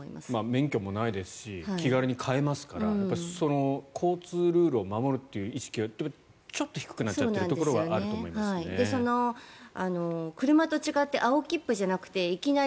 免許もないですし気軽に買えますから交通ルールを守るという意識がちょっと低くなっちゃってるところはあると思いますね。